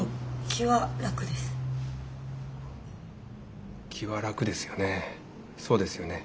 気は楽ですよね